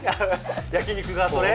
焼肉がそれ？